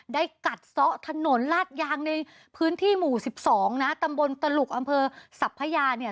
กัดซ้อถนนลาดยางในพื้นที่หมู่๑๒นะตำบลตลุกอำเภอสัพพยาเนี่ย